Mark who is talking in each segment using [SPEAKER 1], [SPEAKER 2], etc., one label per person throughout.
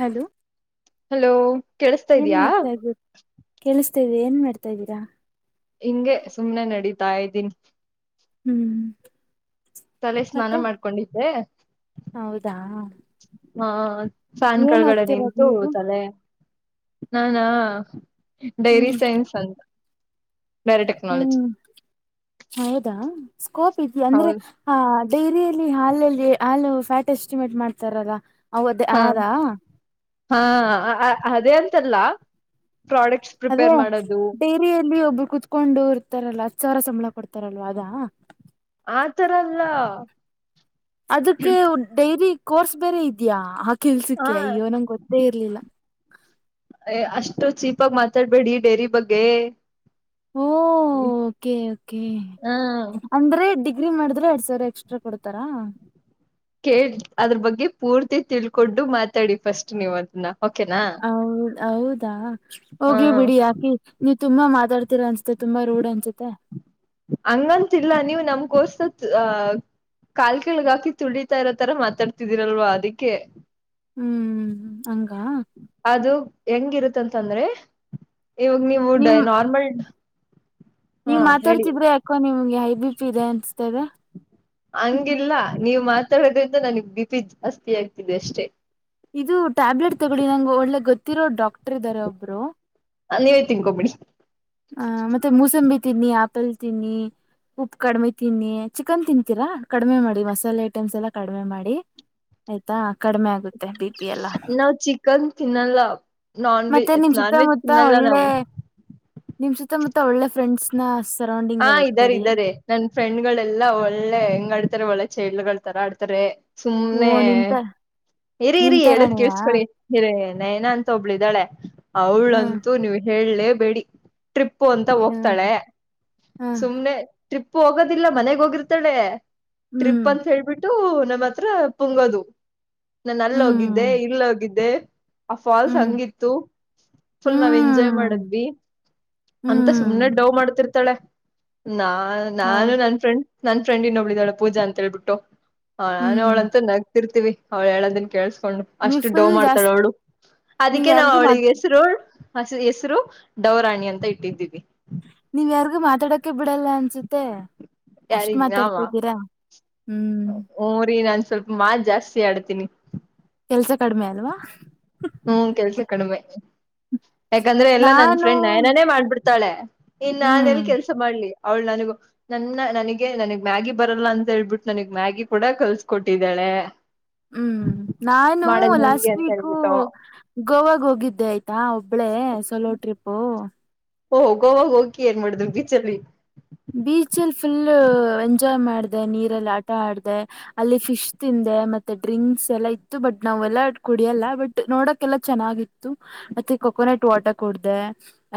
[SPEAKER 1] hello
[SPEAKER 2] hello ಕೇಳಿಸತಾ
[SPEAKER 1] ಏನ್
[SPEAKER 2] ಇದ್ಯಾ
[SPEAKER 1] ಮಾಡ್ತಾ ಇದೀರಾ ಕೇಳ್ತಾ ಕೇಳ್ತಾ ಇದೆ ಏನ್ ಮಾಡ್ತಾ ಇದ್ದೀರಾ
[SPEAKER 2] ಹಿಂಗೆ ಸುಮ್ನೆ ನಡೀತಾ ಇದ್ದೀನಿ
[SPEAKER 1] ಹ್ಮ್
[SPEAKER 2] ತಲೆ ಸ್ನಾನ
[SPEAKER 1] ಮತ್ತೆ
[SPEAKER 2] ಮಾಡ್ಕೊಂಡಿದ್ದೆ-
[SPEAKER 1] ಹೌದಾ
[SPEAKER 2] ಹಾ ಫ್ಯಾನ್
[SPEAKER 1] ಏನ್
[SPEAKER 2] ಕೆಳಗಡೆ
[SPEAKER 1] ಓದ್ತಿರೋದ್
[SPEAKER 2] ನಿಂತು
[SPEAKER 1] ನೀವು
[SPEAKER 2] ತಲೆ ನಾನಾ ಡೈರಿ
[SPEAKER 1] ಹ್ಮ್
[SPEAKER 2] ಸೈನ್ಸ್ ಅಂತ ಡೈರಿ ಟೆಕ್ನಾಲಜಿ
[SPEAKER 1] ಹ್ಮ್ ಹೌದಾ ಸ್ಕೋಪ್ ಇದೀಯ ಅಂದ್ರೆ
[SPEAKER 2] ಹೌದು
[SPEAKER 1] ಹ ಡೈರಿಯಲ್ಲಿ ಹಾಲಲ್ಲಿ ಹಾಲು ಫ್ಯಾಟ್ ಎಸ್ಟಿಮೇಟ್ ಮಾಡ್ತಾರಲ್ಲ ಅವದೇ
[SPEAKER 2] ಹಾ
[SPEAKER 1] ಆದಾ
[SPEAKER 2] ಹಾ ಅದೇ ಅಂತಲ್ಲ ಪ್ರಾಡಕ್ಟ್ಸ್
[SPEAKER 1] ಅದೇ
[SPEAKER 2] ಪ್ರಿಪೇರ್ ಮಾಡೋದು
[SPEAKER 1] ಡೈರಿಯಲ್ಲಿ ಒಬ್ರು ಕುೂತ್ಕೊಂಡು ಕೊಡ್ತಾರಲ್ಲ ಹತ್ತು ಸಾವಿರ ಸಂಬಳ ಕೊಡ್ತಾರಲ್ವ ಅದಾ
[SPEAKER 2] ಆತರಲ್ಲ
[SPEAKER 1] ಅದಕ್ಕೆ ಡೈರಿ ಕೋರ್ಸ್ ಬೇರೆ ಇದ್ಯಾ
[SPEAKER 2] ಹ
[SPEAKER 1] ಕೆಲ್ಸಕ್ಕೆ ಅಯ್ಯೋ ನಂಗಗೆ ಗೊತ್ತೇ ಇರ್ಲಿಲ್ಲ
[SPEAKER 2] ಅಷ್ಟು ಚೀಪಾಗಿ ಮಾತಾಡ್ಬೇಡಿ ಡೇರಿ ಬಗ್ಗೆ
[SPEAKER 1] ಓ ಓಕೆ ಓಕೆ
[SPEAKER 2] ಹ
[SPEAKER 1] ಅಂದ್ರೆ ಡಿಗ್ರಿ ಮಾಡಿದ್ರೆ ಎರಡ್ ಸಾವಿರ ಎಕ್ಸ್ಟ್ರಾ ಕೊಡ್ತಾರಾ
[SPEAKER 2] ಕೇ ಅದ್ರ ಬಗ್ಗೆ ಪೂರ್ತಿ ತಿಳ್ಕೊಂಡು ಮಾತಾಡಿ ಫಸ್ಟ್ ನೀವು ಅದನ್ನ ಓಕೆನಾ
[SPEAKER 1] ಹೌದ್ ಹೌದಾ ಹೋಗ್ಲಿ
[SPEAKER 2] ಹ
[SPEAKER 1] ಬಿಡಿ ಯಾಕಿ ನಿ ತುಂಬಾ ಮಾತಾಡ್ತೀರಾ ಅನ್ಸುತ್ತೆ ತುಂಬಾ ರೂಡ್ ಅನ್ಸುತ್ತೆ
[SPEAKER 2] ಹಂಗಂತಲ್ಲ ನೀವು ನಮ್ಗೋರ್ಸ್ ಅ ಕಾಲ್ ಕೆಳಗ ಹಾಕಿ ತುಳಿತಾ ಇರೋತರ ಮಾತಾಡ್ತಿದಿರಲ್ವ ಅದಕ್ಕೆ
[SPEAKER 1] ಹ್ಮ್ ಹಂಗ
[SPEAKER 2] ಅದು ಹೆಂಗಿರುತ್ ತಂದ್ರೆ ಇವಾಗ ನೀವು ಡೇ
[SPEAKER 1] ನಿಮ್
[SPEAKER 2] ನಾರ್ಮಲ್ ಹಾ
[SPEAKER 1] ನೀವ್
[SPEAKER 2] ಹೇಳಿ
[SPEAKER 1] ಮಾತಾಡ್ತಿದ್ರೆ ಯಾಕೋ ನಿಮ್ಗೆ ಹೈ ಬಿಪಿ ಇದೆ ಅನ್ಸ್ತದೆ
[SPEAKER 2] ಹಂಗಿಲ್ಲ ನೀವು ಮಾತಾಡೋದ್ರಿಂದ ನನಗ್ ಬಿಪಿ ಜಾಸ್ತಿ ಆಗ್ತಿದೆ ಅಷ್ಟೇ
[SPEAKER 1] ಇದು ಟ್ಯಾಬ್ಲೆಟ್ ತಗೊಳ್ಳಿ ನಂಗೆ ಒಳ್ಳೆ ಗೊತ್ತಿರೋ ಡಾಕ್ಟರ್ ಇದಾರ ಒಬ್ರು
[SPEAKER 2] ನೀವೇ ತಿನ್ಕೊಬಿಡಿ
[SPEAKER 1] ಹ ಮತ್ತೆ ಮೂಸಂಬಿ ತಿನ್ನಿ ಆಪಲ್ ತಿನ್ನಿ ಉಪ್ಪು ಕಡಿಮೆ ತಿನ್ನಿ ಚಿಕನ್ ತಿನ್ಂತೀರಾ ಕಡಿಮೆ ಮಾಡಿ ಮಸಾಲೆ ಐಟಮ್ಸ್ ಎಲ್ಲ ಕಡಿಮೆ ಮಾಡಿ ಆಯ್ತಾ ಕಡಿಮೆ ಆಗುತ್ತೆ ಬಿ ಪಿ ಎಲ್ಲ
[SPEAKER 2] ಕ ತಿನ್ನಲ್ಲ ನಾನ್ ವೆಜ್
[SPEAKER 1] ಮತ್ತೆ ನಿಮ್
[SPEAKER 2] ನಾನ್ ವೆಜ್
[SPEAKER 1] ಸುತ್ತಮುತ್ತ
[SPEAKER 2] ತಿನ್ನಲ್ಲ
[SPEAKER 1] ಒಳ್ಳೆ
[SPEAKER 2] ನಾವು
[SPEAKER 1] ನಿಮ್ ಸುತ್ತ ಮುತ್ತ ಒಳ್ಳೆ ಫ್ರೆಂಡ್ಸ್ನ
[SPEAKER 2] ಹಾ ಇದಾರೆ ಇದಾರೆ ನನ್ ಫ್ರೆಂಡ್ ಗಳೆಲ್ಲಾ ಒಳ್ಳೆ ಹೆಂಗ ಆಡ್ತಾರೆ ಒಳ ಚೈಡ್ಗಳ ತರಾ ಆಡ್ತಾರೆ
[SPEAKER 1] ಓ
[SPEAKER 2] ಸುಮ್ನೆ
[SPEAKER 1] ನಿಮ್ತ
[SPEAKER 2] ಇರಿ ಇರಿ ಹೇಳದ್
[SPEAKER 1] ನಿಮ್ತರಾಣಿಯ
[SPEAKER 2] ಕೇಳಸ್ಕೊಳ್ಳಿ ಹಿರ ನೇನ ಅಂತ ಒಬ್ಳಿದ್ದಾಳೆ
[SPEAKER 1] ಹ್ಮ್
[SPEAKER 2] ಅವ್ಳಂತೂ ನೀವ್ ಹೇಳಲೇ ಬಿಡಿ ಟ್ರಿಪ್ಪು ಅಂತ
[SPEAKER 1] ಹ್ಮ್
[SPEAKER 2] ಹೋಗ್ತಾಳೆ
[SPEAKER 1] ಹ್ಮ್
[SPEAKER 2] ಸುಮ್ನೆ ಟ್ರಿಪ್ ಹೋಗೋದಿಲ್ಲ ಮನೆಗ್ ಹೋಗಿರ್ತಾಳೆ ಟ್ರಿಪ್ ಅಂತ ಹೇಳ್ಬಿಟ್ಟು ನಮ್ಮ ಹತ್ರ ಪುಂಗೋದು ನಾನು ಅಲ್ಲ ಹೋಗಿದ್ದೆ
[SPEAKER 1] ಹ್ಮ್
[SPEAKER 2] ಇಲ್ಲೋಗಿದ್ದೆ ಆ ಫಾಲ್ಸ್
[SPEAKER 1] ಹ್ಮ್
[SPEAKER 2] ಹಂಗಿತ್ತು ಫುಲ್ ನಾವ್ ಎಂಜಾಯ್
[SPEAKER 1] ಹ್ಮ್
[SPEAKER 2] ಮಾಡದ್ವಿ ಅಂತ
[SPEAKER 1] ಹ್ಮ್
[SPEAKER 2] ಸುಮ್ನೆ ಡವ್ ಮಾಡ್ತಿರ್ ಾಳೆ ನಾ ನಾನು
[SPEAKER 1] ಹೌದು
[SPEAKER 2] ನನ್ ಫ್ರೆಂಡ್ ನನ್ ಫ್ರೆಂಡ್ ಇನ್ನೊಬ್ಬಳಿದಾಳೆ ಪೂಜಾ ಅಂತ ಹೇಳ್ಬಿಟ್ಟು ಹಾ ನಾನ
[SPEAKER 1] ಹ್ಮ್
[SPEAKER 2] ಅವ್ಳ ಅಂತ ನಗ್ತಿರ್ತಿವಿ ಅವ್ಳ ಹೇಳದನ್ ಕೇಳಸ ಡು
[SPEAKER 1] ನೀವ್
[SPEAKER 2] ಅಷ್ಟು
[SPEAKER 1] ಫುಲ್
[SPEAKER 2] ಡೋವ್ ಮಾಡ್ತಾಳ
[SPEAKER 1] ಜಾಸ್ತಿ
[SPEAKER 2] ಅವಳು
[SPEAKER 1] ನೀವ್
[SPEAKER 2] ಅದಕ್ಕೆ ನಾವ್
[SPEAKER 1] ಯಾರಿಗೂ ಮಾತ್
[SPEAKER 2] ಅವ್ಳಿಗೆ ಹೆಸರು ಅವಳು ಹಸ ಹೆಸರು ಡವರಾಣಿ ಅಂತ ಇಟ್ಟಿದ್ದೀವಿ
[SPEAKER 1] ನೀವ್ ಯಾರಿಗೂ ಮಾತಾಡಕ ಬಿಡಲ್ಲ ಅನ್ಸುತ್ತೆ ಅಷ್ಟ ಮಾತಾಡ್ತಿದ್ದೀರಾ ಹ್ಮ್
[SPEAKER 2] ಊರಿ ನಾ ಸ್ವಲ್ಪ ಮಾ ಜಾಸ್ತಿ ಆಡ್ತೀನಿ
[SPEAKER 1] ಕೆಲ್ಸ ಕಡಿಮೆ ಅಲ್ವಾ
[SPEAKER 2] ಹ್ಮ್ ಕೆಲ್ಸ ಕಡಿಮೆ ಯಾಕಂದ್ರೆ ಎಲ್ಲಾ ನನ್
[SPEAKER 1] ನಾನು
[SPEAKER 2] ಫ್ರೆಂಡ್ ನಯನಾನೇ ಮಾಡ್ಬಿಡ್ತಾಳೆ ಇನ್ ನಾನ
[SPEAKER 1] ಹ್ಮ್
[SPEAKER 2] ಎಲ್ ಕೆಲ್ಸ ಮಾಡ್ಲಿ ಅವಳು ನನಗು ನನ್ನ ನನಗೆ ನನಗ್ ಮ್ಯಾಗಿ ಬರಲ್ಲ ಅಂತ ಹೇಳ್ಬಿಟ್ಟು ನನಗ್ ಮ್ಯಾಗಿ ಕೂಡ ಕಲ್ಸ ಕೊಟ್ಟಿದ್ದಾಳೆ ಹೆ
[SPEAKER 1] ಹ್ಮ್ ನಾನು
[SPEAKER 2] ಹೆಂಗೆ
[SPEAKER 1] ಲಾಸ್ಟ್
[SPEAKER 2] ಅಂತ
[SPEAKER 1] ವೀಕ್
[SPEAKER 2] ಹೇಳ್ಬಿಟ್ಟು
[SPEAKER 1] ಗೋವಾಗ ಹೋಗಿದ್ದೆ ಆಯ್ತಾ ಒಬ್ಬಳೇ ಸೊಲೋ ಟ್ರಿಪ್ಪು
[SPEAKER 2] ಓೋಗೋವಾಗ ಹೋಗಕಿ ಏನ್ ಮಾಡಿದ್ರು ಬೀಚಲ್ಲಿ
[SPEAKER 1] ಬೀಚ್ಲ್ಲಿ ಫುಲ್ ಎಂಜಾಯ್ ಮಾಡಿದೆ ನೀರಲ್ಲಿ ಆಟ ಆಡಿದೆ ಅಲ್ಲಿ ಫಿಶ್ ತಿಂದ ಮತ್ತೆ ಡ್ರಿಂಕ್ಸ್ ಎಲ್ಲಾ ಇತ್ತು ಬಟ್ ನಾವ್ ಎಲ್ಲ ಕುಡಿಯಲ್ಲ ಬಟ್ ನೋಡಕೆಲ್ಲ ಚೆನ್ನಾಗಿತ್ತು ಮ ಕೊಕೋನಟ್ ವಾಟರ್ ಕೊಡ್ದ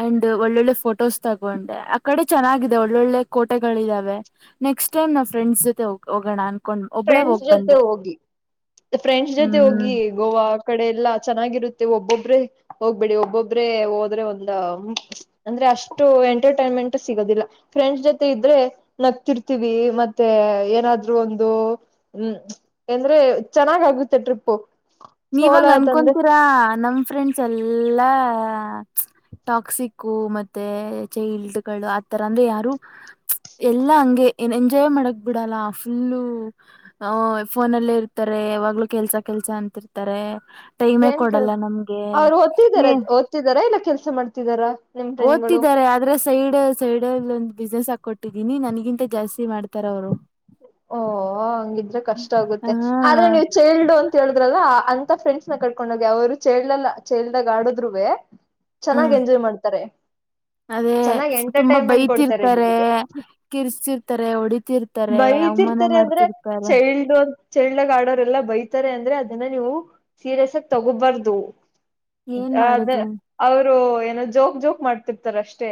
[SPEAKER 1] ಅಂಡ್ ಒಳ್ಳೊಳ್ಳೆ ಫೋಟೋಸ್ ತಗೊಂಡೆ ಆ ಕಡೆ ಚೆನ್ನ ಒಳ್ಳೊಳ್ಳೆ ಕೋಟೆಗಳ ಇದಾವೆ ನೆಕ್ಸ್ಟ್ ಟೈಮ್ ನಾ ಫ್ರೆಂಡ್ಸ್ ಜೊತೆ ಹೋಗೋಣ ಅನ್ಕೊಂಡ್ ಒಬ್ಳೇ
[SPEAKER 2] ಫ್ರೆಂಡ್ಸ್
[SPEAKER 1] ಹೋಗ್
[SPEAKER 2] ಜೊತೆ
[SPEAKER 1] ಬಂದೆ
[SPEAKER 2] ಹೋಗಿ ಫ್ರೆಂಚ್ ಜೊತೆ
[SPEAKER 1] ಹ್ಮ್
[SPEAKER 2] ಹೋಗಿ ಗೋವಾ ಕಡೆ ಎಲ್ಲಾ ಚೆನ್ನಾಗಿರುತ್ತೆ ಒಬ್ಬೊಬ್ರೆ ಹೋಗ್ಬೇಡಿ ಒಬ್ಬೊಬ್ರೆ ಹೋದ್ರೆ ಒಂದ ಅಂದ್ರೆ ಅಷ್ಟು ಎಂಟರ್ಟೈನ್ಮೆಂಟ್ ಸಿಗೋದಿಲ್ಲ ಫ್ರೆಂಡ್ಸ್ ಜೊತೆ ಇದ್ರೆ ನಗ್ತಿರ್ತಿೀವಿ ಮತ್ತೆ ಏನಾದ್ರು ಒಂದು ಹ್ಮ್ ಎಂದ್ರೆ ಚೆನ್ನಾಗಾಗುತ್ತೆ ಟ್ರಿಪ್ಪು
[SPEAKER 1] ನೀವಂಗ
[SPEAKER 2] ಸೋಲತ್ ಅಂದ್ರೆ
[SPEAKER 1] ಅನ್ಕೊತೀರಾ ನಮ ಫ್ರೆಂಡ್ಸ್ ಎಲ್ಲಾ ಟಾಕ್ಸಿಕ್ ಮೆ ಚೈಲ್ಡ್ಗಳು ಆಥರ ಅಂದ್ರೆ ಯಾರು ಎಲ್ಲ ಹಂಗೆ ಎಂಜಾಯ್ ಮಾಡಕ್ ಬಿಡಲ್ಲ ಫುಲ್ಲು ಅ ಫೋನಲ್ಲೇ ಇರ್ತಾರೆ ಯಾವಾಗ್ಲೂ ಕೆಲ್ಸ ಕೆಲ್ಸ ಅಂತಿರ್ತಾರೆ ಟೈಮೇ
[SPEAKER 2] ಏನ್ ಕಳ್
[SPEAKER 1] ಕೊಡಲ್ಲ ನಮ್ಗೆ
[SPEAKER 2] ಅವ್ ಓದ್ತಿದಾರ
[SPEAKER 1] ಏ
[SPEAKER 2] ಓದ್ತಿದಾರ ಇಲ್ಲ ಕೆಲ್ಸ ಮಾಡ್ತಿದಾರ
[SPEAKER 1] ಓದ್ತಿದ್ದಾರೆ ಆದ್ರೆ ಸೈಡ್ ಸೈಡ್ಲ್ಲಿ ಒಂದು ಬಿಸ್ನೆಸ್ ಆಗ್ತಾರೆ ಕೊಟ್ಟಿದ್ದೀನಿ ನನಗಿಂತ ಜಾಸ್ತಿ ಮಾಡ್ತಾರ ಅವರು
[SPEAKER 2] ಓ ಹಂಗಿದ್ರೆ ಕಷ್ಟ
[SPEAKER 1] ಹ
[SPEAKER 2] ಆಗುತ್ತೆ ಆದ್ರೆ ನೀವು್ ಚೈಲ್ಡ್ ಅಂತ ೇಳಿದ್ರಲ್ಲ ಅಂತ ಫ್ರೆಂಡ್ಸ್ ನ ಕಟ್ಕೊಂಡ ಹೋಗಿ ಅವ್ರು ಚೈಲ್ಡ್ಲ್ಲ ಚೈಲ್ಡ್್ದಾಗ ಆಡದ್ೂೆ
[SPEAKER 1] ಹ
[SPEAKER 2] ಚೆನ್ನಾಗ್ ಎಂಜಾಯ್ ಮಾಡ್ತಾರೆ
[SPEAKER 1] ಅದೇ
[SPEAKER 2] ಚೆನ್ನಾಗ್
[SPEAKER 1] ತುಂಬಾ
[SPEAKER 2] ಎಂಟರ್ಟೈನ್ಮೆಂಟ್ ಕೊಡ್ತಾರೆ
[SPEAKER 1] ಬೈತಿರ್ತಾರೆ
[SPEAKER 2] ನಿಮಗೆ
[SPEAKER 1] ಕಿರ್ಸ್ತಿರ್ತಾರೆ ಹೊಡಿ
[SPEAKER 2] ಬೈತಿರ್ತಾರೆ ಅಂದ್ರೆ ಚೈಲ್ಡ್ ಒ ಚಳ್ಳಳ್ಳಗ ಆಡೋರೆಲ್ಲಾ ಬೈತಾರೆ ಅಂದ್ರೆ ಅದನ್ನ ನೀವು ಸೀರಿಯಸ್ ಆಗಿ ತಗೋಬಾರ್ದು
[SPEAKER 1] ಏನ್
[SPEAKER 2] ಅದ
[SPEAKER 1] ಮಾಡುದು
[SPEAKER 2] ಅವರು ಏನೋ ಜೋಕ್ ಜೋಕ್ ಮಾಡ್ತಿರ್ತಾರ ಅಷ್ಟೇ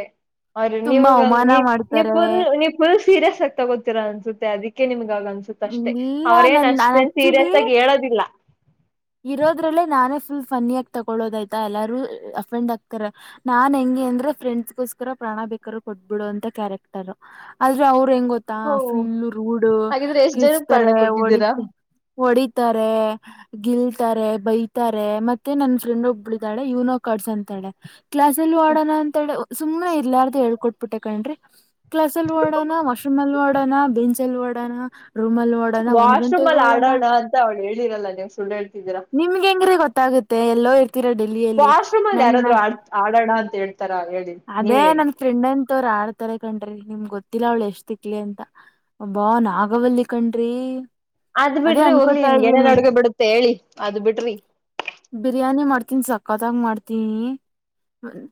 [SPEAKER 2] ಅವ್ರೀ
[SPEAKER 1] ತುಂಬಾ ಅವಮಾನ
[SPEAKER 2] ನಿಮಗಂಗವು
[SPEAKER 1] ಮಾಡ್ತಾರೆ
[SPEAKER 2] ಫುಲ್ ನೀ್ ಫುಲ್ ಸೀರಿಯಸ್ ಆಗಿ ತಗೋತೀರಾ ಅನ್ಸುತ್ತೆ ಅದಕ್ಕೆ ನಿಮ್ಗೆ ಇಾಗ ಅನ್ಸುತ್ತ ಅಷ್ಟೇ
[SPEAKER 1] ಇಲ್ಲ
[SPEAKER 2] ಅವ್ರೇನ್
[SPEAKER 1] ನನ್ ನಾನ್
[SPEAKER 2] ಅಷ್ಟೇನ್ ಸೀರಿಯಸ್
[SPEAKER 1] ಆಕ್ಚುಲಿ
[SPEAKER 2] ಆಗಿ ಹೇಳೋದಿಲ್ಲ
[SPEAKER 1] ಇರೋದ್ರಲ್ಲೇ ನಾನೇ ಫುಲ್ ಫನಿ ಆಗ ತಗೊಳೋದಯ್ತಾ ಎಲ್ಲಾರೂ ಅಫೆಂಡ್ ಆಕ್ತಾರ ನಾನ್ ಹೆಂಗ ಅಂದ್ರೆ ಫ್ರೆಂಡ್ಸ್ೋಸ್ಕರ ಪ್ರಾಣ ಬೇಕಾದರು ಕೊಟ್ಬಿಡು ಅಂತ ಕ್ಯಾರೆಕ್ಟರ್ ಆದ್ರೆ ಅವರು ಹೆಂಗ ಗೊತ್ತಾ
[SPEAKER 2] ಓ
[SPEAKER 1] ಫುಲ್ ರೂಡ್
[SPEAKER 2] ಹಾಗಿದ್ರೆ ಎಷ್ಟ್ ಜನಕ್ ಪ್ರಾಣ
[SPEAKER 1] ಕಿಚ್ತಾರೆ ಹೊಡ
[SPEAKER 2] ಕೊಟ್ಟಿದ್ದೀರಾ
[SPEAKER 1] ಹೊಡಿತಾರೆ ಗಿಲ್ತಾರೆ ಬೈತಾರೆ ಮತ್ತೆ ನನ್ ಫ್ರೆಂಡ್ ಒಬ್ಬಳಿದಾಳೆ ಯನೋ ಕಾರ್ಡ್ಸ್ ಅಂತಾಳೆ ಕ್ಲಾಸ್ಲ್ಲಿ ಓಡೋಣ ಅಂತೇಳಿ ಸು್ನೆ ಇಲ್ಲಾರದು ಹೇಳ್ಕೊಟ್ಟು ಪಿಟ್ಟ ಕೊಂಡ್ರಿ ಕ್ಲಸ್ ಅಲ್ಲಿ ಓಡೋಣ ವಾಶ್ರೂಮ್ ಅಲ್ಲಿ ಓಡೋಣ ಬೆಂಚಲ್ಲಿ ಓಡೋಣ ರೂಮ್ ಅಲ್ಲಿ ಓಡೋಣ ಒಂದ್
[SPEAKER 2] ವಾಶ್ರೂಮ್
[SPEAKER 1] ಗಂಟೆಗೆ
[SPEAKER 2] ಅಲ್ಲಿ
[SPEAKER 1] ಓಡೋಣ
[SPEAKER 2] ಆಡೋಣ ಅಂತ ಅವ್ಳು ಹೇಳಿರಲ್ಲ ನೀವು ಸುಳ್ಳು ಹೇಳ್ತಿದ್ದೀರಾ
[SPEAKER 1] ಹೆಂಗ್ರೆ ಗೊತ್ತಾಗುತ್ತೆ ಎಲ್ಲೋ ಇರ್ತೀರಾ ಡೆಲ್ಲಿಯಲ್ಲಿ
[SPEAKER 2] ವಾಶ್ರೂಮ್ ಅಲ್ಲಿ
[SPEAKER 1] ನನ್ನ
[SPEAKER 2] ಯಾರಾದ್ರು ಆಡ್ ಆಡೋಣ ಅಂತ ಹೇಳ್ತಾರಾ ಹೇಳಿ ನೀವ್
[SPEAKER 1] ಅದೇ
[SPEAKER 2] ಹೇಳಿ
[SPEAKER 1] ನನ್ ಫೆಂಡ್ಂತ ಮತ್ತವರು ಆಡ್ತಾರೆ ಕಣ್ರಿ ನಿಮ್ ಗೊತ್ತಿಲ್ಲ ಅವ್ಳ ಎಷ್ಟ್ ತಿಕ್ಲಿ ಅಂತ ಬನ್ಾಗವಲ್ಲಿ ಕಣ್ರಿ
[SPEAKER 2] ಅದ್
[SPEAKER 1] ಅದೇ
[SPEAKER 2] ಬಿಡ್ರಿ ಹೋಗ್ಲಿ
[SPEAKER 1] ಅನ್ಕೋತಾ
[SPEAKER 2] ನಿಮಗೆ ಏನೇ
[SPEAKER 1] ಇದ್ದೀನಿ
[SPEAKER 2] ಅಡ್ಗ ಬಿಡುತ್ತೆ ಹೇಳಿ ಅದ್ ಬಿಟ್ರಿ
[SPEAKER 1] ಚಿಕನ್ ಸಕತ್ತಾಗ ಮಾಡ್ತೀನಿ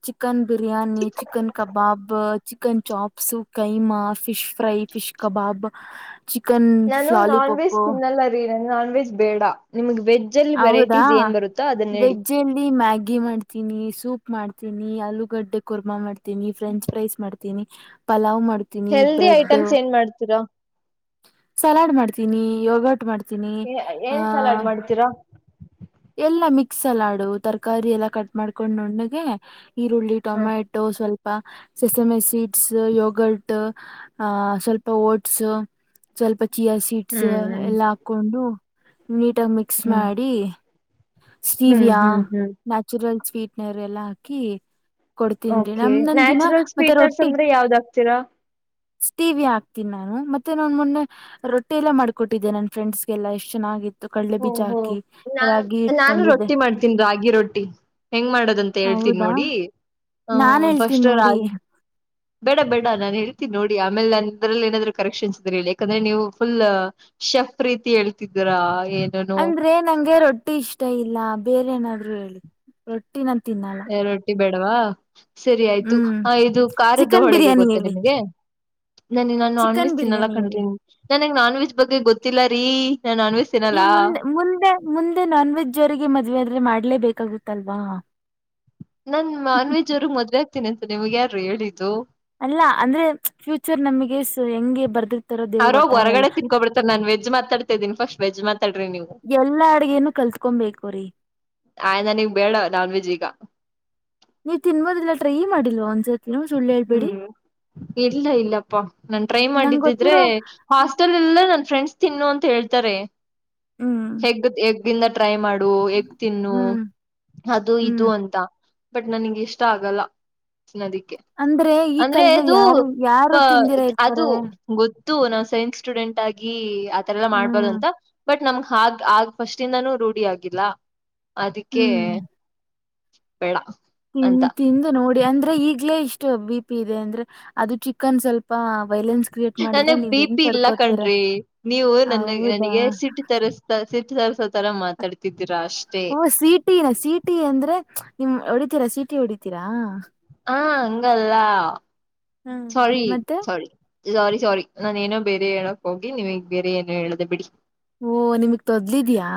[SPEAKER 1] chicken biryani chicken kebab chicken chops keema fish fry fish kebab chicken
[SPEAKER 2] ನಾನು ನಾನ್
[SPEAKER 1] ಲಾಲಿಪೊಪ್
[SPEAKER 2] ವೆಜ್ ತಿನ್ನಲ್ಲ ರೀ ನಾನ್ ವೆಜ್ ಬೇಡ ನಿಮ
[SPEAKER 1] ಹೌದಾ
[SPEAKER 2] ಹೇಳಿ
[SPEAKER 1] ವೆಜ್ಜ್ಲ್ಲಿ ಮ್ಯಾಗಿ ಮಾಡ್ತೀನಿ ಸೂಪ್ ಮಾಡ್ತೀನಿ ಆಲೂಗಡ್ಡೆ ಕೊರ್ಮಾ ಮಾಡ್ತೀನಿ ಫ್ರೆಂಚ್ ಫ್ರೈಸ್ ಮಾಡ್ತೀನಿ ಪಲಾವ್ ಮಾಡ್ಿ ಿ
[SPEAKER 2] ಹೆಲ್ದಿ
[SPEAKER 1] ಬ್ರೆಡ್
[SPEAKER 2] ಐಟಮ್ಸ್ ಏನ್ ಮಾಡ್ತೀರಾ
[SPEAKER 1] ಸಲಾಡ್ ಮಾಡ್ತೀನಿ ಯೋಗಟ್ ಮಾಡ್ತ ತಿನ್ನಿ
[SPEAKER 2] ಏನ್
[SPEAKER 1] ಆಹ
[SPEAKER 2] ಸಲಾಡ್ ಮಾಡ್ತೀರಾ
[SPEAKER 1] ಎಲ್ಲಾ ಮಿಕ್ಸ್ ಎಲ್ಲಾಡು ತರಕಾರಿ ಎಲ್ಲಾ ಕಟ್ ಮಾಡ್ಕೊಂಡು ನುಣ್ಣಗೆ ಈರುಳ್ಳಿ
[SPEAKER 2] ಹ್ಮ್
[SPEAKER 1] ಟೊಮ್ಯಾಟೊ ಸ್ವಲ್ಪ ಸಸ್ ಎಮೆ ಸೀಡ್ಸ್ ಯೋಗಟ್ ಆ ಸ್ವಲ್ಪ ಓಟ್ಸ್ ಸ್ವಲ್ಪ ಚಿಯಾ ಸೀಟ್ಸ್
[SPEAKER 2] ಹ್ಮ್
[SPEAKER 1] ಎಲ್ಲಾ ಹಾಕೊಂಡು ನೀಟಾಗಿ ಮಿಕ್ಸ್
[SPEAKER 2] ಹ್ಮ್
[SPEAKER 1] ಮಾಡಿ
[SPEAKER 2] ಹ್ಮ್
[SPEAKER 1] ಸ್ಟೀವಿಯಾ
[SPEAKER 2] ಹ್ಮ್ ಹ್ಮ್
[SPEAKER 1] ನ್ಯಾಚುರಲ್ ಸ್ವೀಟ್ನರ್ ಎಲ್ಲಾ ಹಾಕಿ ಕೊಡ್ತೀನ್ರಿ
[SPEAKER 2] ಓಕೆ
[SPEAKER 1] ನಮ ನಂದ್ ದಿನ
[SPEAKER 2] ನ್ಯಾಚುರಲ್
[SPEAKER 1] ಮತ್ತೆ
[SPEAKER 2] ಸ್ವೀಟ್ನರ್ಸ್
[SPEAKER 1] ರೊಟ್ಟಿ
[SPEAKER 2] ಅಂದ್ರೆ ಯಾವ್ದ್ ಹಾಕ್ತೀರಾ
[SPEAKER 1] ಟಿ ಹಾಕ್ತೀನಿ ನಾನು ಮತ್ತೆ ನಾನನ್ ಮೊನ್ನೆ ರೊಟ್ಟಿ ಎಲ್ಲ ಮಾಡಕೊಟ್ಟಿದ್ದೆ ನನ್ ಫ್ರೆಂಡ್ಸ್ ಗೆಲ್ಲ ಎಷ್ಟ್ ಚೆನ್ನಾಗಿ ಕಡ್ಲೆ ಬೀಜ
[SPEAKER 2] ಓಹೋ
[SPEAKER 1] ಹಾಕಿ
[SPEAKER 2] ನಾನ್
[SPEAKER 1] ರಾಗಿ
[SPEAKER 2] ನಾನು
[SPEAKER 1] ತಂದಿದ್ದೆ
[SPEAKER 2] ರೊಟ್ಟಿ ಮಾಡ್ತೀನ್ಿ ರಾಗಿ ರೊಟ್ಟಿ ಹೆಂಗ್ ಮಾಡೋದಂತ ಹೇಳ್ತೀನ್ಿ
[SPEAKER 1] ಹೌದಾ
[SPEAKER 2] ನೋಡಿ
[SPEAKER 1] ನಾನ್
[SPEAKER 2] ಹ್ಮ್
[SPEAKER 1] ಹೇಳ್ತೀನಿ
[SPEAKER 2] ಫಸ್ಟ್
[SPEAKER 1] ನೋಡಿ
[SPEAKER 2] ರಾಗಿ ಬೇಡ ಬೇಡ ನಾನ್ ಹೇಳ್ತೀನಿ ನೋಡಿ ಆಮೇಲೆ ನನ್ ಇದ್ರಲ್ಲಿ ಏನಾದ್ರು ಕರೆಕ್ಷನ್ಸ್ ಇದ್ರ ಯಾಕಂದ್ರೆ ನೀವುಫುಲ್ ಶಫ ಪ್ರೀತಿ ಹೇಳ್ತಿದ್ರಾ
[SPEAKER 1] ಅಂದ್ರೆ ನಂಗೆ ರೊಟ್ಟಿ ಇಷ್ಟ ಇಲ್ಲ ಬೇರೆ ಏನಾದ್ರು ಹೇಳಿ ರೊಟ್ಟಿನಂತ ತಿನ್ನಲ್ಲ
[SPEAKER 2] ರೊಟ್ಟಿ ಬೇಡವಾ ಸರಿ ಆಯ್ತು
[SPEAKER 1] ಹ್ಮ್
[SPEAKER 2] ಹ ಇದು ಕಾರ್ದ
[SPEAKER 1] ಚಿಕನ್
[SPEAKER 2] ಹೊಳಗೆ
[SPEAKER 1] ಬಿರಿಯಾನಿ
[SPEAKER 2] ಗೊತ್ತ
[SPEAKER 1] ಹೇಳಿ
[SPEAKER 2] ನಿಮಗೆ ನಾನ ನಾನ್ ನಾನ್
[SPEAKER 1] ಚಿಕನ್
[SPEAKER 2] ವೆಜ್ ತಿನ್ನಲ್ಲಾ
[SPEAKER 1] ಬಿರಿಯಾನಿ
[SPEAKER 2] ಕಣ್ರಿ
[SPEAKER 1] ಹೇಳಿ
[SPEAKER 2] ನನ್ಗ್ ನಾನ್ ವೆಜ್ ಬಗ್ಗೆ ಗೊತ್ತಿಲ್ಲ ರೀ ನಾನ್ ನಾನ್ ವೇಜ್ ತಿನ್ನಲ್ಲ
[SPEAKER 1] ಈ ಮುಂದೆ ಮುಂದೆ ಮುಂದೆ ನಾನ್ ವೆಜ್ ಅವರಿಗೆ ಮದುವೆ ಆದ್ರೆ ಮಾಡ್ಲೇಬೇಕಾಗುತ್ತಲ್ವಾ
[SPEAKER 2] ನನ್ ನಾನ್ ವೆಜ್ ಅವ್ರಗ್ ಮದುವೆ ಆಗ್ತೀನಿ ಅಂತ ನಿಮಿಗೆ ಯಾರು ಹೇಳಿದ್ದು
[SPEAKER 1] ಅಲ್ಲ ಅಂದ್ರೆ ಫ್ಯೂಚರ್ ನಮಗೆ ಹೆಂಗೆ ಬರ್ದ
[SPEAKER 2] ಅವ್ರೋಗ್ ಹೊರಗಡೆ ತಿನ್ಕೊಬಿಡ್ತಾರೆ ನಾನ್ ವೆಜ್ ಮಾತಾಡ್ತಾ ಇದ್ದೀನಿ ಫಸ್ಟ್ ವೆಜ್ ಮಾತಾಡ್ರಿ ನೀವು
[SPEAKER 1] ತಿಳತ್ಕೊ ಬು್ರೀ
[SPEAKER 2] ಆಯ್ ನನಗ್ ಬೇಡ ನಾನ್ ವೆಜ್ ಈಗ
[SPEAKER 1] ನೀವ್ ತಿನ್ಬೋದಿಲ್ಲ ಟ್ರೈ ಮಾಡಿಲ್ವ ಒಂದ್ಸತಿ ಸುಳ್ಳು ಹೇಳಬೇಡಿ
[SPEAKER 2] ಹ್ಮ್ ಇಲ್ಲ ಇಲ್ಲಪ್ಪಾ ನಾನ್ ಟ್ರೈ
[SPEAKER 1] ನಂಗ್
[SPEAKER 2] ಮಾಡಿದ್ದಿದ್ರೆ
[SPEAKER 1] ಗೊತ್ತಿರೋ
[SPEAKER 2] ಹಾಸ್ಟೆಲ್ ಎಲ್ಲ ನನ್ ಫ್ರೆಂಡ್ಸ್ ತಿನ್ನು ಅಂತ ಹೇಳ್ತಾರೆ
[SPEAKER 1] ಹ್ಮ್
[SPEAKER 2] ಹೆಗ್ಗ ಹೆಗಂದ ಟ್ರೈ ಮಾಡ ಡು ಎಗ್ ತಿನ್ನು
[SPEAKER 1] ಹ್ಮ್
[SPEAKER 2] ಅದು
[SPEAKER 1] ಹ್ಮ್
[SPEAKER 2] ಇದು ಅಂತ ಬಟ್ ನನಗೆ ಇಷ್ಟ ಆಗಲ್ಲ ಅದಿಕ್ಕೆ
[SPEAKER 1] ಅಂದ್ರೆ ಈ
[SPEAKER 2] ಅಂದ್ರೆ
[SPEAKER 1] ಕಾಲದಲ್ಲಿ
[SPEAKER 2] ಅದು
[SPEAKER 1] ಯಾರು ಯಾರು ತಿಂದಿರ
[SPEAKER 2] ಅದು
[SPEAKER 1] ಇರ್ತಾರೆ
[SPEAKER 2] ಗೊ ತ್ತು ನಾವು ಸೈನ್ಸ್ ಸ್ಟೂಡೆಂಟ್ ಆಗಿ ಆತರ ಎಲ್ಲಾ ಮಾಡ್ಬಾರದು
[SPEAKER 1] ಹ್ಮ್
[SPEAKER 2] ಅಂತ ಬಟ್ ನಮಗ್ ಹಾಗ ಆಗ್ ಫಸ್ಟ್ಿಂದಾನೂ ರೂಢಿ ಆಗಿಲ್ಲ ಅದಕ್ಕೆ
[SPEAKER 1] ಹ್ಮ್
[SPEAKER 2] ಬೇಡ
[SPEAKER 1] ತಿನ್
[SPEAKER 2] ಅಂತ
[SPEAKER 1] ತಿಂದು ನೋಡಿ ಅಂದ್ರೆ ಅಂದ್ರೆ ಈಗ್ಲೇ ಇಷ್ಟ ಬಿ ಪಿ ಇದೆ ಅಂದ್ರೆ ಅದು ಚಿಕನ್ ಸ್ವಲ್ಪ ವೈಲೆನ್ಸ್ ಕ್ರಿಯೇಟ್ ಮಾಡಿದ್ರ
[SPEAKER 2] ನನಗ್
[SPEAKER 1] ನೀವ್
[SPEAKER 2] ಬಿ
[SPEAKER 1] ಹೆಂಗ
[SPEAKER 2] ಪಿ ಇಲ್ಲ
[SPEAKER 1] ಕಡ್ಕೋತೀರ
[SPEAKER 2] ಕಣ್ರಿ ನೀವು ನನ್ನ
[SPEAKER 1] ಹೌದಾ
[SPEAKER 2] ನನಗೆ ಸಿಟ್ಟು ತರಿಸ್ತಾ ಸಿಟ್ಟು ತರಿಸೋ ತರ ಮಾತಾಡ್ತಿದ್ದೀರಾ ಅಷ್ಟೇ
[SPEAKER 1] ಹಓ ಸಿಟಿನ ಸಿಟಿ ಅಂದ್ರೆ ನಿಮ ಹೀಾ ಸೀಟಿ ಹೊಡಿತೀರಾ
[SPEAKER 2] ಹಾ ಹಂಗಲ್ಲ
[SPEAKER 1] ಹ್ಮ್
[SPEAKER 2] ಸಾರೀ
[SPEAKER 1] ಮತ್ತೆ
[SPEAKER 2] ಸಾರೀ ಸಾರಿ ಸಾರಿ ನಾನಏನೋ ಬೇರೆ ಹೇಳಕ್ ಹೋಗಿ ನಿವಗ್ ಬೇರೆ ಏನೋ ಹೇಳದೆ ಬಿಡಿ
[SPEAKER 1] ಓ ನಿಮಗೆ ತೊದ್ಲಿದಯಾ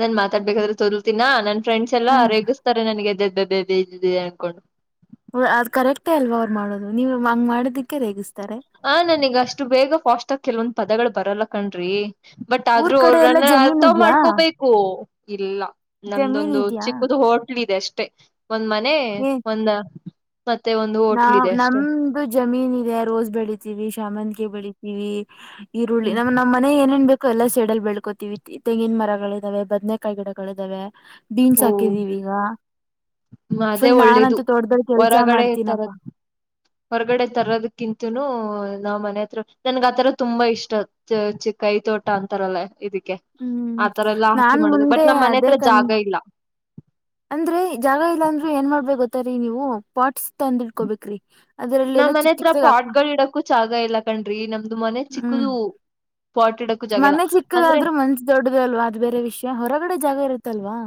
[SPEAKER 2] ನನ್ ಮಾತಾಡ್ಬೇಕಾದ್ರೆ ತೋರ್ಲ್ತಿನ ನನ್ ಫ್ರೆಂಡ್ಸ್ ಎಲ್ಲಾ
[SPEAKER 1] ಹಾ
[SPEAKER 2] ರೇಗಿಸ್ತಾರೆ ನನ್ಗೆದ್ದ ಅನ್ಕೊಂಡು
[SPEAKER 1] ಅದ್ ಕರೆಕ್ಟೇ ಅಲ್ವಾ ಅವ್ರು ಮಾಡೋದು ನೀವು ಹಂಗ್ ಮಾಡದಕ್ಕೆ ರೇಗಿಸ್ತ
[SPEAKER 2] ಹ ನನ್ೀಗ ಅಷ್ಟು ಬೇಗ ಫಾಸ್ಟ್ ಆಗ ಕೆಲವೊಂದ್ ಪದಗಳು ಬರಲ್ಲ ಕಣ್ರಿ ಬಟ್
[SPEAKER 1] ಊರ್
[SPEAKER 2] ಆದ್ರೂ
[SPEAKER 1] ಕಡೆ ಎಲ್ಲ
[SPEAKER 2] ಅವರ್ರನ್ನ
[SPEAKER 1] ಜಮೀನ್
[SPEAKER 2] ಅರ್ಥ್
[SPEAKER 1] ಇದ್ಯಾ
[SPEAKER 2] ಮಾಡ್ಕೋಬೇಕು ಇಲ್ಲ
[SPEAKER 1] ಜಮೀನ್
[SPEAKER 2] ನಮ್ದೊಂದು
[SPEAKER 1] ಇದ್ಯಾ
[SPEAKER 2] ಚಿಕ್ಕದು ಹೋಟ್ಲ್ ಇದೆ ಅಷ್ಟೇ ಒಂದು ಮನೆ
[SPEAKER 1] ಏ
[SPEAKER 2] ಒಂದ ಮತ್ತೆ ಒಂದು ಹೋಟ್ಲ್
[SPEAKER 1] ನಾವ್
[SPEAKER 2] ಇದೆ ಅಷ್ಟೆ
[SPEAKER 1] ನಮ್ದು ಜಮೀನ್ ಇದೆ ರೋಸ್ ಬೆಳಿತೀವಿ ಶಾಮಂತಿಗೆ ಬೆಳಿತೀವಿ ಈರುಳ್ಳಿ
[SPEAKER 2] ಹ್ಮ್
[SPEAKER 1] ನಮ್ಮ ನಮ್ಮನೆ ಏನೇಬೇಕು ಕಲಸ್ ಎಡಲ್ ಬೆಳ್ಕೋತೀವಿ ತೆಂಗಿನ ಮರಗಳಿದಾವೆ ಬದ್ನೆೇಕಾಯಿ ಗಿಡಗಳಿದಾವೆ ಬೀನ್ಸ್
[SPEAKER 2] ಓ
[SPEAKER 1] ಹಾಕಿದೀವಿ ಈಗ ಫುಲ್ ನಾನ್ಂತ ತೊಡ್ದೊಡ್ ಕೆಲ್ಸ ಮಾಡ್
[SPEAKER 2] ತರದ ಹೊರಗಡೆ ತರೋದಕ್ಕಿಂತುೂ ನಾವ್ ಮನೆ ಹತ್ರ ನನ್ಗ್ ಆತರ ತುಂಬಾ ಇಷ್ಟ ಚಿ ಕೈ ತೋಟ ಅಂತಾರಲ್ಲ ಇದಕ್ಕೆ
[SPEAKER 1] ಹ್ಮ್
[SPEAKER 2] ಆತರ ಎಲ್ಲಾ ಹಾಕಿ
[SPEAKER 1] ನಾನ್
[SPEAKER 2] ಮಾಡುದು ಬಟ್
[SPEAKER 1] ಮುಂದೆ
[SPEAKER 2] ನಮ್ಮ್ ಮನೆ
[SPEAKER 1] ಅದೇ
[SPEAKER 2] ಹತ್ರ
[SPEAKER 1] ಕನ್
[SPEAKER 2] ಜಾಗ ಇಲ್ಲ
[SPEAKER 1] ಅಂದ್ರೆ ಜಾಗ ಇಲ್ಲಾಂದ್ರೂ ಏನ್ ಮಾಡ್ಬೇ ಗೊತ್ತಾರೀ ನೀವು ಪಾಟ್ಸ್ ತಂದ ಇಡ್ಕೋಬೇಕ್ರಿ ಅದ್ರಲ್ಲಿ
[SPEAKER 2] ನಮ್
[SPEAKER 1] ಎಲ್ಲಾ
[SPEAKER 2] ಮನೆ
[SPEAKER 1] ಚಿಕ್
[SPEAKER 2] ಹತ್ರ
[SPEAKER 1] ಚಿಕ್ದಾಗ ಹಾಕ
[SPEAKER 2] ಪಾಟ್ಗಳಗಳು ಇಡಕು ಜಾಗ ಇಲ್ಲ ಕಣ್ರಿ ನಮ್ದು ಮನೆ ಚಿಕ್ಕದು ಪಾಟ್ ಇಡಕ್ಕೂ ಜಾಗ ಇಲ್ಲ
[SPEAKER 1] ಮನೆಗ್
[SPEAKER 2] ಅಂದ್ರೆ
[SPEAKER 1] ಚಿಕ್ಕದಾದ್ರೂ ಮನ್ಸ ದೊಡ್ಡದ ಅಲ್ವಾ ಅದು ಬೇರೆ ವಿಷಯ ಹೊರಗಡೆ ಜಾಗ ಇರುತ್ತಲ್ವಾ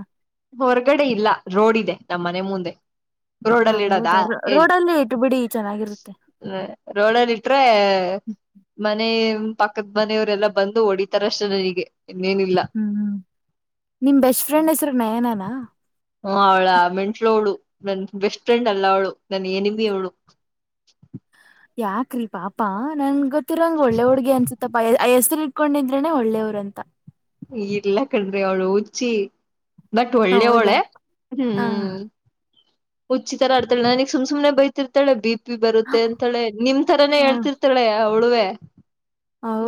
[SPEAKER 2] ಹೊರಗಡೆ ಇಲ್ಲ ರೋಡ್ ಇದೆ ನಮ್ಮ್ ಮನೆ ಮುಂದೆ
[SPEAKER 1] ಹ
[SPEAKER 2] ರೋಡಲ್ಲಿ ಇಡದಾ
[SPEAKER 1] ಹೌದಾ ರೋಡಲ್ಲೇ ಇಟ್ಟು ಬಿಡಿ ಚೆನ್ನಾಗಿರುತ್ತೆ
[SPEAKER 2] ಹ್ಮ ರೋಡಲ್ಲಿ ಇಟ್ರೆ ಮನ ಪಕ್ಕದ ಮನೆಯವರೆಲ್ಲಾ ಬಂದು ಹೊಡಿತಾರ ಅಷ್ಟೇ ನನಗೆ ಇನ್ನೇನಿಲ್ಲ
[SPEAKER 1] ಹ್ಮ್ ಹ್ಮ್ ನಿಮ್ ಬೆಸ್ಟ್ ಫ್ರೆಂಡ್ ಹೆಸ್ರನೇ
[SPEAKER 2] ಹ ಅವಳಾ ಮೆಂಟ್ಲೋಡು ನನ್ ಬೆಸ್ಟ್ ಫ್ರೆಂಡ್ ಅಲ್ಲ ಅವಳು ನನ್ ಎನಮಿ ಅವಳು
[SPEAKER 1] ಯಾಕ್ರಿ ಪಾಪಾ ನನ್ ಗೊತ್ತಿರಂಗಗೆ ಒಳ್ಳೆ ಹುಡ್ಗಿ ಅನ್ಸತ್ತಪ್ಪಾ ಹೆಸ್ರಿ ಕಕೊಂಡಿದ್ರನನೆ ಒಳ್ಳೆಯವ್ರ ಅಂತ
[SPEAKER 2] ಇಲ್ಲ ಕನ್ಡ್ರಿ ಅವಳ ಊಚಿ ಬಟ್ ಒಳ್ಳೆ
[SPEAKER 1] ಹೌದಾ
[SPEAKER 2] ಹಳೆ
[SPEAKER 1] ಹ
[SPEAKER 2] ಹ್ಮ್ ಉುಚಿತರ ಆರ್ತಳ ನನಗ್ ಸು ಸುಮನೆ ಬೈತಿತಾಳ ಬಿಪ್ ಬರುತ್ತೆ ಅಂತಳೆ ನಿಮ್ ತರಾನೇ
[SPEAKER 1] ಹ
[SPEAKER 2] ಹೇಳ್ತಿರ್ತಾಳೆ ಅವಳುವೆ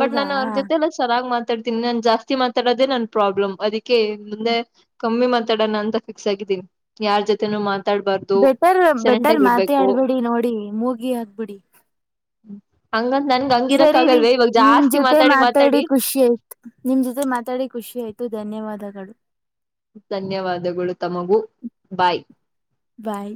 [SPEAKER 2] ಬಟ್ ನಾನು ಅವ್ರ ಜೊತೆಲ್ಲ ಚೆನ್ನಾಗ್ ಮಾತಾಡ್ತೀನಿ ನಾನ್ ಜಾಸ್ತಿ ಮಾತಾಡೋದೆೇ ನನ್ ಪ್ರಾಬ್ಲಮ್ ಅದಿ ಮುಂದೆ ಕಮ್ಮಿ ಮಾತಾಡೋಣ ಅಂತ ಫಿಕ್ಸ್ ಆಗಿದ್ದೀನಿ ಯಾರ್ ಜೊತೆನು ಮಾ
[SPEAKER 1] ಬೆಟರ್ ಬೆಟರ್ ಮಾತ ಆಡ್ಬಿಡಿ ನೋಡಿ ಮೂಗಿ ಹಕ್ಬಿಡಿ
[SPEAKER 2] ಅಂಗ
[SPEAKER 1] ಸರಿ ರರಿ ನಿಮ್ ಜೊತೆ ಮಾತಾಡಿ ಖುಷಿ ಆಯ್ತು ನಿಮ್ ಜೊತೆ ಮಾತಾಡಿ ಖುಷಿ ಆಯ್ತು ನ್ ಧನ್ಯವಾದಗಳು
[SPEAKER 2] ಧನ್ಯವಾದಗಳು ತಮಗೂ ಬಾಯ್
[SPEAKER 1] ಬಾಯ್